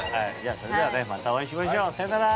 それではねまたお会いしましょうさよなら。